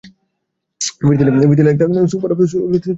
ফিরতি লেগ থাকলেও super cup জেতার আশা ওখানেই শেষ হয়ে গেল।